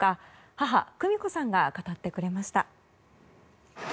母・久美子さんが語ってくれました。